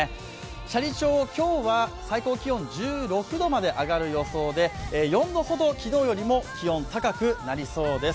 斜里町、今日は最高気温１６度まで上がる予想で４度ほど昨日よりも気温、高くなりそうです。